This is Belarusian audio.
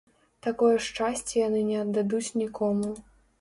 Такое шчасце яны не аддадуць нікому.